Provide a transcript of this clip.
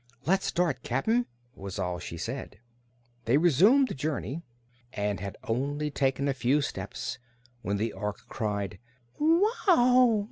"Let's start, Cap'n," was all she said. They resumed the journey and had only taken a few steps when the Ork cried "Wow!"